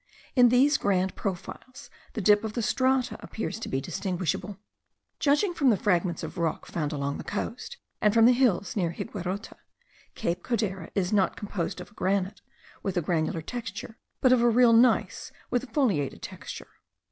In these grand profiles the dip of the strata appears to be distinguishable. Judging from the fragments of rock found along the coast, and from the hills near Higuerote, Cape Codera is not composed of granite with a granular texture, but of a real gneiss with a foliated texture.